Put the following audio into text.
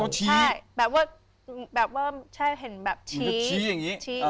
ใช่แบบว่าเห็นแบบชี้ชี้อย่างนี้